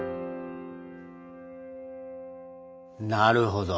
なるほど。